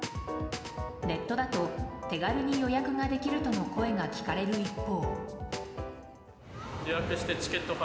ネットだと手軽に予約ができるとの声が聞かれる一方。